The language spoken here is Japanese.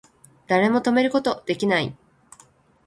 誰も止めること出来ない